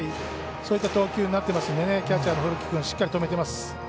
そういった投球になっていますのでキャッチャーの古木君しっかり止めています。